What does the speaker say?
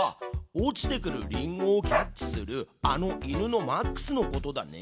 落ちてくるリンゴをキャッチするあの犬のマックスのことだね？